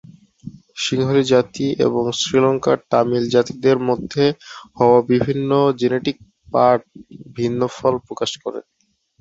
সিংহলি জাতি এবং শ্রীলংকার তামিল জাতিদের মধ্যে হওয়া বিভিন্ন জেনেটিক পাঠ ভিন্ন ফল প্রকাশ করে।